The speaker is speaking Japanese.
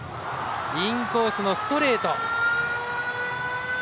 インコースのストレート。